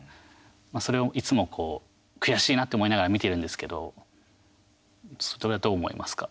それをいつもこう悔しいなと思いながら見てるんですけどそれは、どう思いますか？